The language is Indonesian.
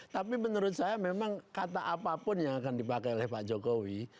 tapi menurut saya memang kata apapun yang akan dipakai oleh pak jokowi